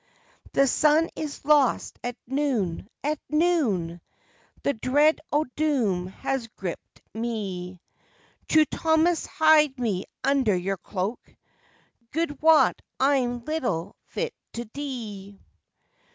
"The sun is lost at noon at noon! The dread o' doom has grippit me. True Thomas, hide me under your cloak, God wot, I'm little fit to dee!"